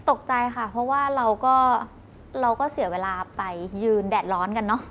ตกใจค่ะเพราะว่าเราก็เราก็เสียเวลาไปยืนแดดร้อนกันเนอะ